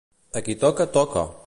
A qui toca, toca!